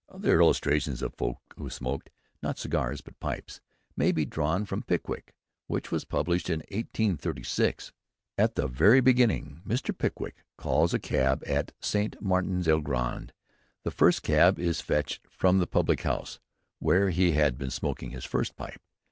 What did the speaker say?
Other illustrations of folk who smoked, not cigars, but pipes, may be drawn from "Pickwick," which was published in 1836. At the very beginning, when Mr. Pickwick calls a cab at Saint Martin's le Grand, the first cab is "fetched from the public house, where he had been smoking his first pipe."